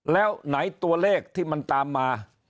แล้วไหนตัวเลขที่มันตามมา